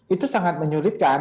itu sangat menyulitkan